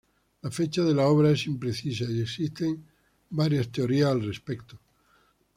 La fecha de la obra es imprecisa y existen un varías teorías al respecto.